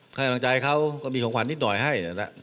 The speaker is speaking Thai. ให้กำลังใจเขาก็มีของขวัญนิดหน่อยให้